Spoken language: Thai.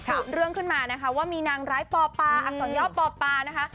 เรื่องขึ้นมานะคะว่ามีนางร้ายปอปาอักษรย่อปอปานะคะ